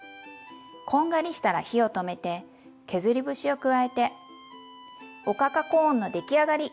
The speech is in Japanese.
こんがりしたら火を止めて削り節を加えておかかコーンの出来上がり！